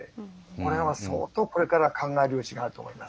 これは相当これから考える余地があると思います。